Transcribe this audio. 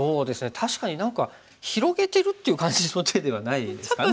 確かに何か広げてるって感じの手ではないですかね。